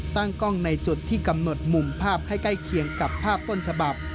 ตั้งกล้องในจุดที่กำหนดมุมภาพให้ใกล้เคียงกับภาพต้นฉบับ